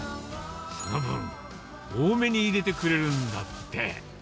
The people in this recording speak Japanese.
その分、多めに入れてくれるんだって。